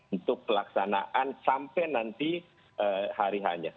untuk pelaksanaan sampai nanti hari hanya